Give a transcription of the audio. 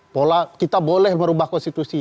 pola kita boleh merubah konstitusi